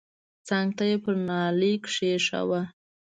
څنگ ته يې پر نيالۍ کښېښوه.